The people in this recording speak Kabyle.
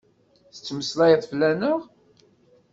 Tettmeslayeḍ fell-aneɣ?